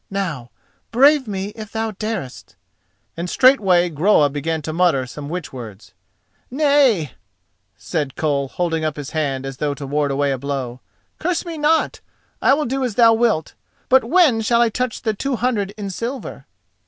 Now, brave me, if thou darest," and straightway Groa began to mutter some witch words. "Nay," said Koll, holding up his hand as though to ward away a blow. "Curse me not: I will do as thou wilt. But when shall I touch the two hundred in silver?"